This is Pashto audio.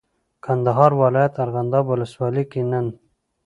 کندهار ولایت ارغنداب ولسوالۍ کې نن